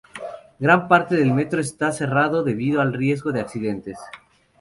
Gran parte del metro está cerrado debido al riesgo de accidentes.